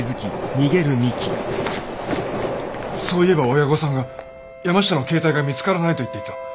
そういえば親御さんが山下の携帯が見つからないと言っていた。